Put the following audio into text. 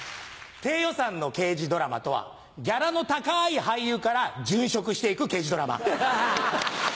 低予算の刑事ドラマとはギャラの高い俳優から殉職して行く刑事ドラマ。